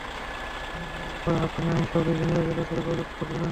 মামলা করার ব্যাপারে আপনি আইন সহায়তা কেন্দ্রগুলোর সাথে যোগাযোগ করতে পারেন।